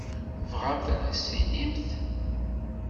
Tebɣamt ad as-tinimt?